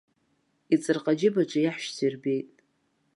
Иҵырҟа џьыбаҿы иаҳәшьцәа ирбеит.